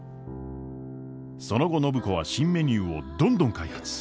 その後暢子は新メニューをどんどん開発。